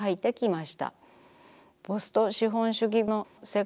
ポスト資本主義の世界